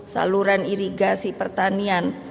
saluran irigasi pertanian